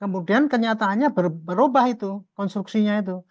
kemudian kenyataannya berubah itu konstruksinya itu